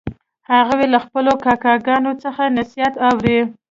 هغوی له خپلو کاکاګانو څخه نصیحت اوري